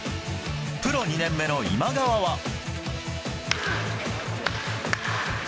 プロ２年目の今川は。